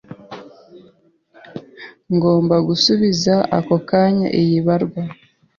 Ngomba gusubiza ako kanya iyi baruwa.